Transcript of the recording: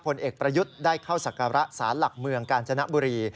ผลเอกประยุทธ์ได้เข้าศักระสารหลักเมืองกาญจนบุรี